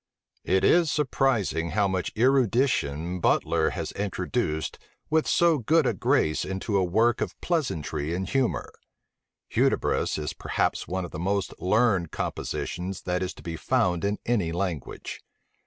It is surprising how much erudition Butler has introduced with so good a grace into a work of pleasantry and humor: Hudibras is perhaps one of the most learned compositions that is to be found in any language.